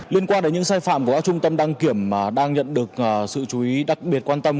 liên quan đến những sai phạm của các trung tâm đăng kiểm đang nhận được sự chú ý đặc biệt quan tâm